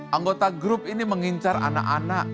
anggota grup ini mengincar anak anak